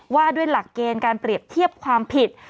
ว่าด้วยหลักเกณฑ์การเปรียบเทียบความผิด